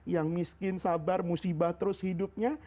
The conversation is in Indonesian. yang miskin sabar musibah terus hidupnya